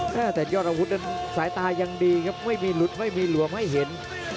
แต่ยอดอาวุธนั้นสายตายังดีครับไม่มีหลุดไม่มีหลวมให้เห็น